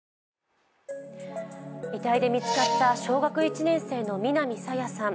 遺体で見つかった小学１年生の南朝芽さん。